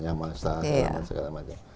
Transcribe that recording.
yang mahasiswa dan segala macam